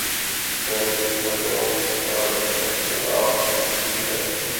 چند پہلوئوں پر اختلاف بھی ہے۔